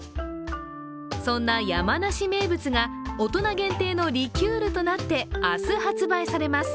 そんな山梨名物が大人限定のリキュールとなって明日、発売されます。